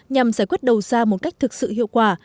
nhằm giải quyết đầu ra một cách thực sự hiệu quả